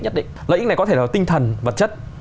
nhất định lợi ích này có thể là tinh thần vật chất